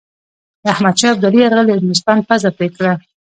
د احمدشاه ابدالي یرغل د هندوستان پزه پرې کړه.